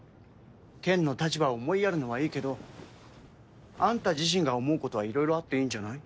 ケンの立場を思いやるのはいいけどあんた自身が思うことは色々あっていいんじゃない？